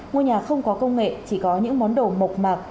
ngôi nhà không có công nghệ chỉ có những món đồ mộc mạc